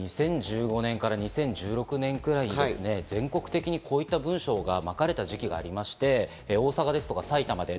２０１５年から２０１６年ぐらいにですね、全国的にこういった文章がまかれた時期がありまして、大阪ですとか埼玉で。